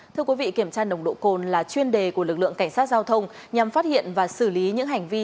thưa quý vị kiểm tra nồng độ cồn là chuyên đề của lực lượng cảnh sát giao thông nhằm phát hiện và xử lý những hành vi